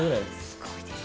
すごいですね。